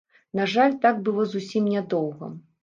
На жаль, так было зусім нядоўга.